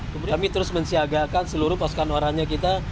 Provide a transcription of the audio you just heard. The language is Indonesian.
kami terus mensiagakan seluruh pasukan orangnya kita